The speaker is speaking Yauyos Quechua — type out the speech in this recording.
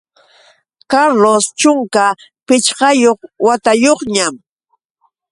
Carlos chunka pichqayuq watayuqñam.